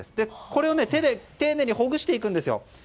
これを手で丁寧にほぐしていくんですよ。